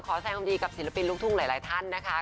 แสดงความดีกับศิลปินลูกทุ่งหลายท่านนะคะ